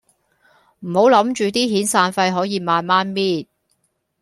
唔好諗住啲遣散費可以慢慢搣